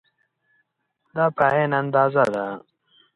دا په عین اندازه ده.